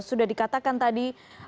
sudah dikatakan tadi